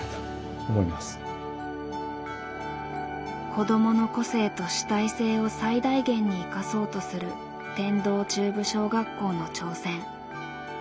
子どもの個性と主体性を最大限に生かそうとする天童中部小学校の挑戦。